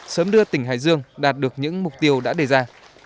sớm đưa tỉnh hải dương đạt được những mục tiêu đã đề ra